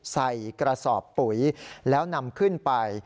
ใส่กระสอบปุ๋ยแล้วนำขึ้นไป